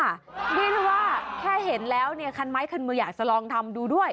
นี่เราว่าแค่เห็นแล้วนี่คันมายกันมาอยากจะลองทำดูด้วย